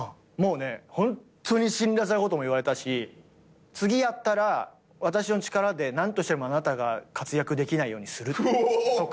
もうねホントに辛辣なことも言われたし次やったら私の力で何としてでもあなたが活躍できないようにする。